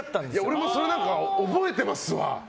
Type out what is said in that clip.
俺もそれ覚えてますわ。